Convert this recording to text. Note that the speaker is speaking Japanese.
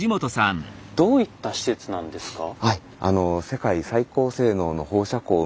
どういった施設なんですか？